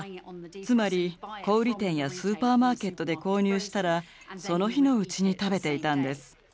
つまり小売店やスーパーマーケットで購入したらその日のうちに食べていたんです。